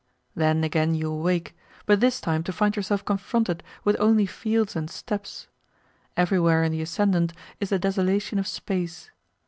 Then again you awake, but this time to find yourself confronted with only fields and steppes. Everywhere in the ascendant is the desolation of space.